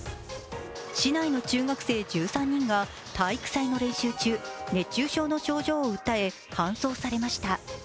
市内の中学生１３人が体育祭の練習中、熱中症の症状を訴え搬送されました。